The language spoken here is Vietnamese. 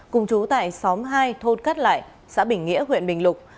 cùng chú tại xóm hai thôn cát lại xã bình nghĩa huyện bình lục